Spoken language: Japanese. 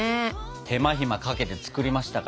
手間暇かけて作りましたから。